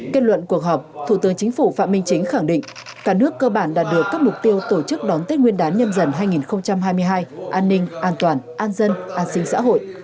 kết luận cuộc họp thủ tướng chính phủ phạm minh chính khẳng định cả nước cơ bản đạt được các mục tiêu tổ chức đón tết nguyên đán nhâm dần hai nghìn hai mươi hai an ninh an toàn an dân an sinh xã hội